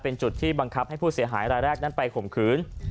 เป็นจุดที่บังคับให้ผู้เสียหายรายแรกนั้นไปข่มขืน